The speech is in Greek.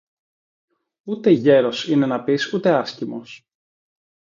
ούτε γέρος είναι να πεις, ούτε άσκημος,